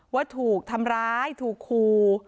สวัสดีครับทุกคน